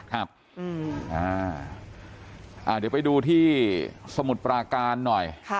เดี๋ยวไปดูที่สมุทรปราการหน่อย